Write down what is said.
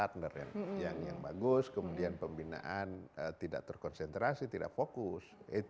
karena dia punya partner yang bagus kemudian pembinaan tidak terkonsentrasi tidak fokus